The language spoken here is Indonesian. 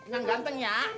yang ganteng ya